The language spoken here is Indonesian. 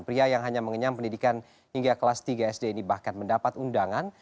pria yang hanya mengenyam pendidikan hingga kelas tiga sd ini bahkan mendapat undangan